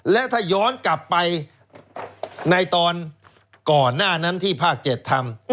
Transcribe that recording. และถ้าย้อนกลับไปในตอนก่อนหน้านั้นที่ภาค๗ทำ